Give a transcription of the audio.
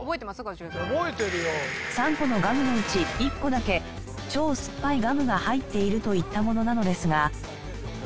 ３個のガムのうち１個だけ超すっぱいガムが入っているといったものなのですが。